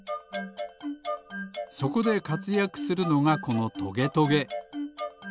そこでかつやくするのがこのトゲトゲ。